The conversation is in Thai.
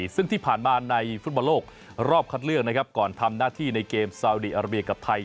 ซึ่งที่ผ่านมาในฟุตบอลโลกรอบคัดเลือกนะครับก่อนทำหน้าที่ในเกมซาวดีอาราเบียกับไทย